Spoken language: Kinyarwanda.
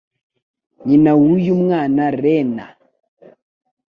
Nyina w'uyu mwana Reena